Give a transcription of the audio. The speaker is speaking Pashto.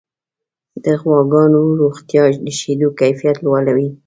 د غواګانو روغتیا د شیدو کیفیت لوړوي.